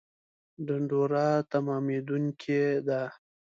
ډنډوره تمامېدونکې ده